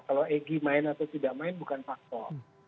kalau egy main atau tidak main bukan faktor